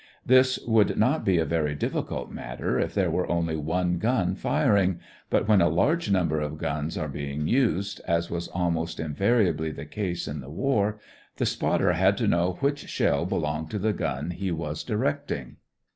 This would not be a very difficult matter if there were only one gun firing, but when a large number of guns are being used, as was almost invariably the case in the war, the spotter had to know which shell belonged to the gun he was directing.